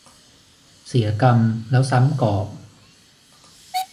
เสียกำแล้วซ้ำกอบ